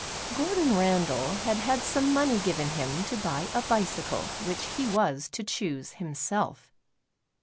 GORDON RANDALL had had some money given him to buy a bicycle which he was to choose himself.